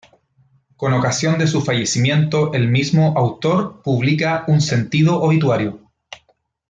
Con ocasión de su fallecimiento el mismo autor publica un sentido obituario.